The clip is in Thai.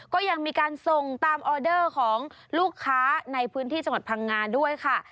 ก็ยังมีการส่งตามออเดอร์ของลูกค้าในพื้นที่จังหวัดพังงาด้วยค่ะ